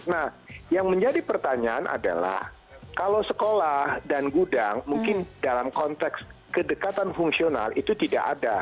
nah yang menjadi pertanyaan adalah kalau sekolah dan gudang mungkin dalam konteks kedekatan fungsional itu tidak ada